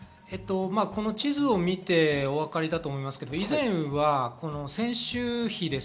地図を見て分かると思いますが、以前は先週比です。